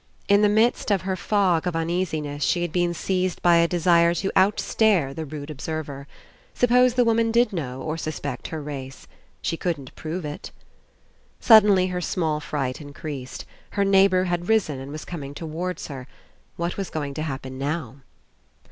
In the midst of her fog of uneasiness she had been seized by a desire to outstare the rude observer. Suppose the woman did know or suspect her race. She couldn't prove it. Suddenly her small fright Increased. Her neighbour had risen and was coming towards her. What was going to happen now?